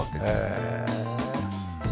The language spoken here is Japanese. へえ。